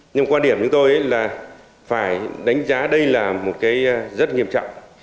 nhưng quan điểm của tôi là phải đánh giá đây là một cái rất nghiêm trọng